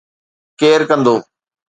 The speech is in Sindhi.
ڪير ڪندو؟